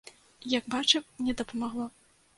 Як бачым, не дапамагло.